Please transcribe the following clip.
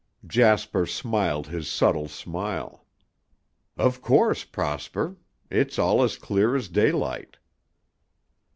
Jasper smiled his subtle smile. "Of course, Prosper. It's all as clear as daylight."